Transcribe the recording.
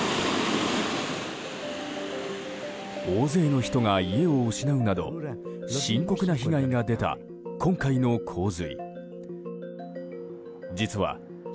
大勢の人が家を失うなど深刻な被害が出た今回の洪水。